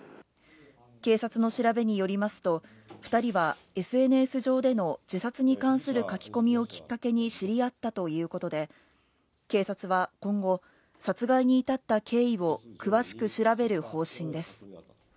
警察の調べによりますと、２人はＳＮＳ上での自殺に関する書き込みをきっかけに知り合ったということで、警察は今後、殺害に至った経緯を詳しく調べる方針です。